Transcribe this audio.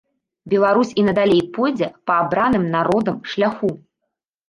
Беларусь і надалей пойдзе па абраным народам шляху.